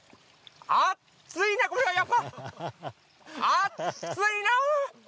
あっついな、これはやっぱ！